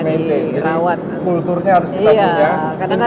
jadi kulturnya harus kita punya